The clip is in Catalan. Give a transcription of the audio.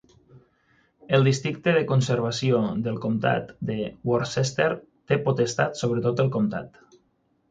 El districte de conservació del comtat de Worcester té potestat sobre tot el comtat.